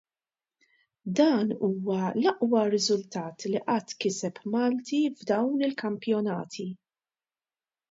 Dan huwa l-aqwa riżultat li qatt kiseb Malti f'dawn il-kampjonati.